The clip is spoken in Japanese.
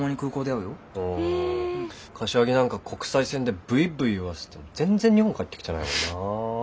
柏木なんか国際線でブイブイ言わして全然日本帰ってきてないもんなぁ。